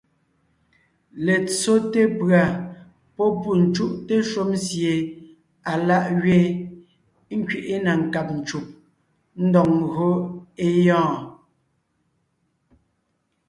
Letsóte pʉ̀a pɔ́ pû cúʼte shúm sie alá’ gẅeen, ńkẅiʼi na nkáb ncùb, ńdɔg ńgÿo é gyɔ́ɔn.